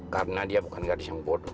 karena dia bukan gadis yang bodoh